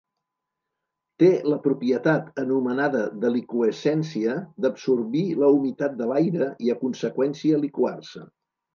Té la propietat anomenada deliqüescència, d'absorbir la humitat de l'aire i a conseqüència liquar-se.